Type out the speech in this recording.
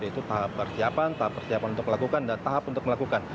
yaitu tahap persiapan tahap persiapan untuk melakukan dan tahap untuk melakukan